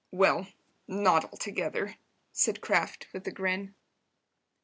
"Well, not altogether," said Kraft, with a grin.